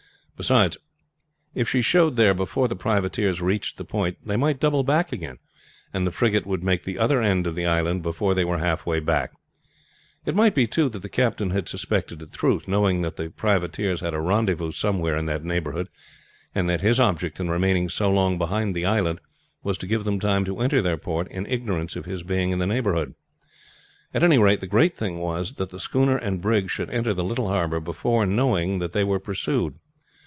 Beside, if she showed there before the privateers reached the point they might double back again, and the frigate would make the other end of the island before they were halfway back. It might be, too, that the captain has suspected the truth, knowing that the privateers had a rendezvous somewhere in that neighborhood, and that his object in remaining so long behind the island was to give them time to enter their port in ignorance of his being in the neighborhood. At any rate, the great thing was, that the schooner and brig should enter the little harbor before knowing that they were pursued.